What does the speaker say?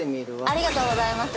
◆ありがとうございます。